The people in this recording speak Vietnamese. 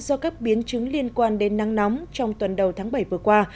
do các biến chứng liên quan đến nắng nóng trong tuần đầu tháng bảy vừa qua